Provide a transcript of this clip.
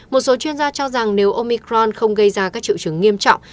một số chuyên gia cho rằng nếu omicron không gây ra các triệu chứng nghiêm trọng